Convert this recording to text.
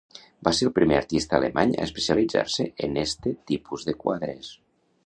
Va ser el primer artista alemany a especialitzar-se en este tipus de quadres.